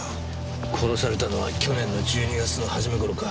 殺されたのは去年の１２月の初め頃か。